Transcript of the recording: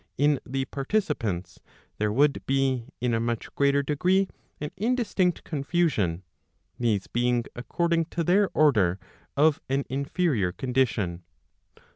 in the participants] there would be, in a much greater degree, an indistinct confusion, these being according to their order of an inferior condition.